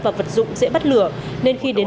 và vật dụng dễ bắt lửa nên khi đến